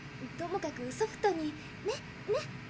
ともかくソフトにねっねっ。